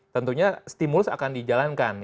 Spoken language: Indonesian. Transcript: tentunya stimulus akan dijalankan